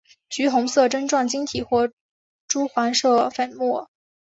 橘红色针状晶体或赭黄色粉末。